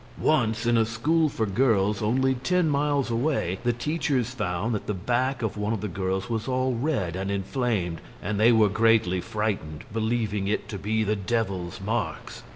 Once, in a school for girls only ten miles away, the teachers found that the back of one of the girls was all red and inflamed, and they were greatly frightened, believing it to be the Devil's marks.